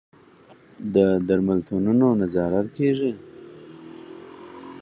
د درملتونونو نظارت کیږي؟